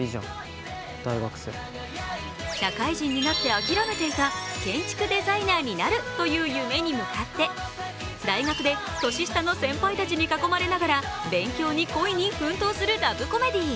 社会人になってあきらめていた建築デザイナーになるという夢に向かって大学で年下の先輩たちに囲まれながら、勉強に恋に奮闘するラブコメディー。